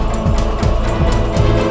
cuma tembak sini